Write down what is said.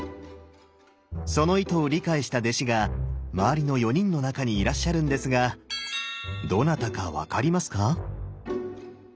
その意図を理解した弟子が周りの４人の中にいらっしゃるんですがどなたか分かりますか？